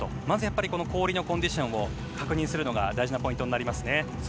まず氷のコンディションを確認するのが大事なポイントになりますね。